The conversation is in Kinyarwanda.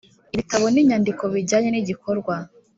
Ibitabo n inyandiko bijyanye n igikorwa